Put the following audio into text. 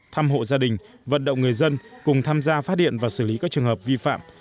thăm hộ gia đình vận động người dân cùng tham gia phát điện và xử lý các trường hợp vi phạm